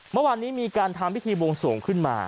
เมื่อวานนี้มีการทำพิธีบวงสวงขึ้นมา